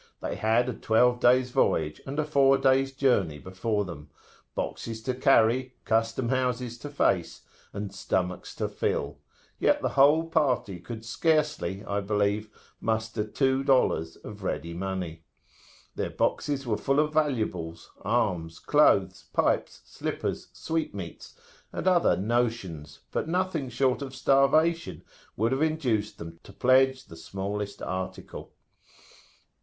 They had a twelve days' voyage, and a four days' journey before them; boxes to carry, custom houses to face, and stomachs to fill; yet the whole party could scarcely, I believe, muster two dollars of ready money. Their boxes were full of valuables, arms, clothes, pipes, slippers, sweetmeats, and other "notions"; but nothing short of starvation would have induced them to pledge the smallest article.